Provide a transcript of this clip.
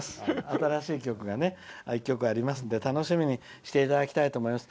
新しい曲はありますので楽しみにしていただきたいと思います。